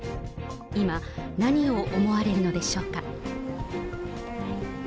今、何を思われるのでしょうか。